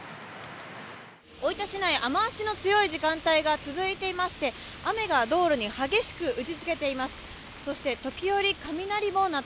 大分市内、雨足の強い時間帯が続いていまして、雨が道路に激しく打ちつけています。